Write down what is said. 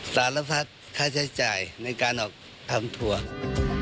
ศาลพัทธ์ค่าใช้จ่ายในการออกทำทัวร์